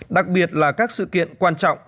đặc biệt là các sự kiện quan trọng